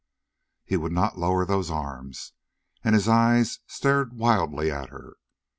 He would not lower those arms, and his eyes stared wildly at her.